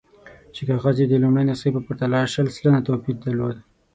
چې کاغذ یې د لومړۍ نسخې په پرتله شل سلنه توپیر درلود.